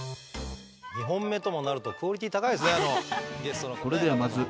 ２本目ともなるとクオリティー高いですね。